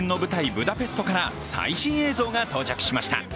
ブダペストから最新映像が到着しました。